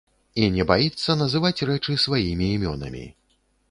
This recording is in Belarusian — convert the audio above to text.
І не баіцца называць рэчы сваімі імёнамі.